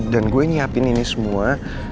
dan gue nyiapin ini semua